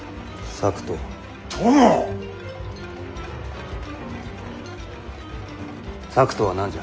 策とは何じゃ。